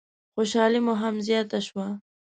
خوشحالي مو هم زیاته شوه.